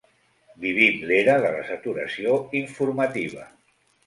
Vivim l'era de la saturació informativa.